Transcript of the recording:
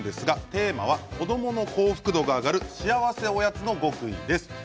テーマは子どもの幸福度が上がる幸せおやつの極意です。